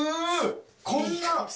こんな。